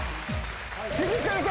次来るぞ！